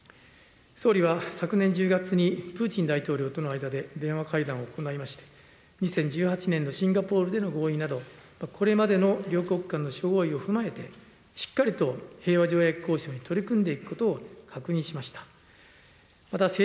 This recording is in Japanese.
総理は昨年１０月にプーチン大統領との間で電話会談を行いまして、２０１８年のシンガポールでの合意など、これまでの両国間の諸合意を踏まえて、しっかりと平和条約交渉に取り組んでいくことを確認しました。